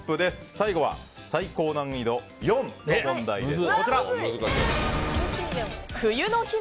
最後は最高難易度４の問題です。